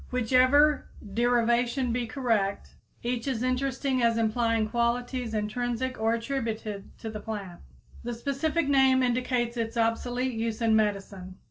Whichever derivation be correct, each is interesting as implying qualities, intrinsic or attributed, to the plant. The specific name indicates its obsolete use in medicine.